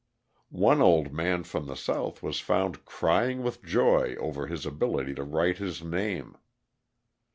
One old man from the South was found crying with joy over his ability to write his name.